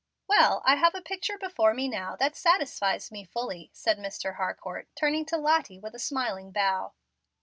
"Well, I have a picture before me now, that satisfies me fully," said Mr. Harcourt, turning to Lottie with a smiling bow.